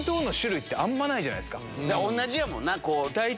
同じやもんな。